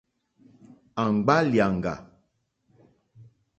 Àŋɡbá lìàŋɡà.